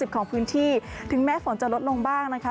ของพื้นที่ถึงแม้ฝนจะลดลงบ้างนะคะ